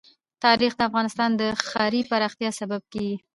تاریخ د افغانستان د ښاري پراختیا سبب کېږي.